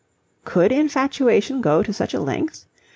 Could infatuation go to such a length?